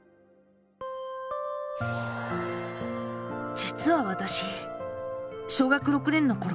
実は私小学６年のころ